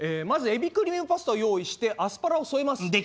まずエビクリームパスタを用意してアスパラを添えます。